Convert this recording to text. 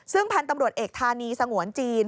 ซึ่งพันธุ์ตำรวจเอกธานีสงวนจีน